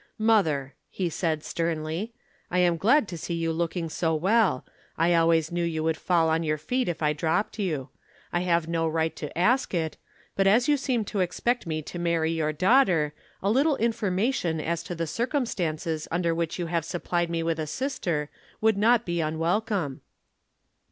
"Mother," he said sternly, "I am glad to see you looking so well. I always knew you would fall on your feet if I dropped you. I have no right to ask it but as you seem to expect me to marry your daughter, a little information as to the circumstances under which you have supplied me with a sister would be not unwelcome.